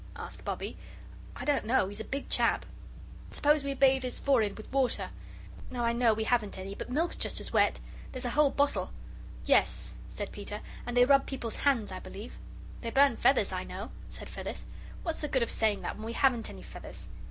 asked Bobbie. "I don't know; he's a big chap." "Suppose we bathe his forehead with water. No, I know we haven't any, but milk's just as wet. There's a whole bottle." "Yes," said Peter, "and they rub people's hands, I believe." "They burn feathers, I know," said Phyllis. "What's the good of saying that when we haven't any feathers?"